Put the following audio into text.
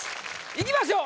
いきましょう！